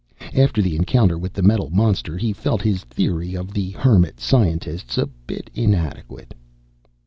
After the encounter with the metal monster, he felt his theory of the hermit scientists a bit inadequate.